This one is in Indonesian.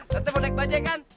tante mau naik bajaj kan